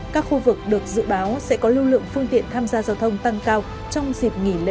các khu vực được dự báo sẽ có lưu lượng phương tiện tham gia giao thông tăng cao trong dịp nghỉ lễ